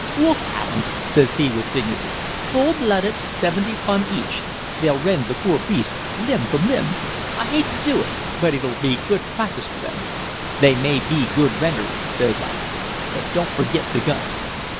"'Wolf hounds,' says he, with dignity, 'full blooded, seventy pun each. They'll rend the poor beast limb from limb. I hate to do it, but it 'll be good practice for them.' "'They may be good renders,' says I, 'but don't forgit the gun.'